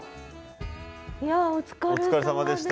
いやぁお疲れさまでした。